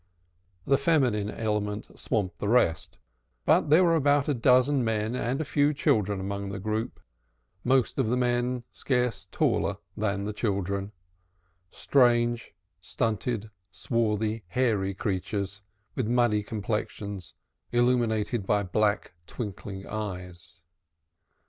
The feminine element swamped the rest, but there were about a dozen men and a few children among the group, most of the men scarce taller than the children strange, stunted, swarthy, hairy creatures, with muddy complexions illumined by black, twinkling eyes.